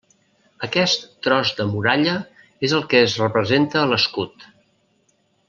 Aquest tros de muralla és el que es representa a l'escut.